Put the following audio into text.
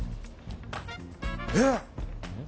えっ？